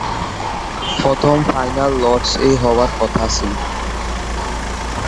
প্রথমে ফাইনাল লর্ড’স-এ হবার কথা ছিল।